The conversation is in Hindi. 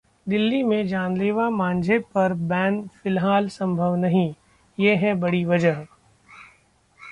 दिल्ली में जानलेवा मांझे पर बैन फिलहाल संभव नहीं, ये है बड़ी वजह